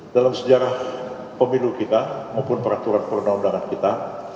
dalam sejarah pemilu kita maupun peraturan perundang undangan kita